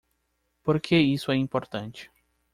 Por que isso é importante?